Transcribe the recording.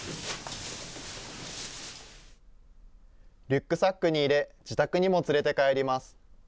リュックサックに入れ、自宅にも連れて帰ります。